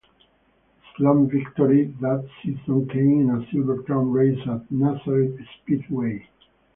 His lone victory that season came in a Silver Crown race at Nazareth Speedway.